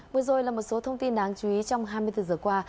vừa rồi là một số thông tin đáng chú ý trong hai mươi bốn giờ qua